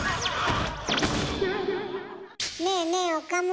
ねえねえ岡村。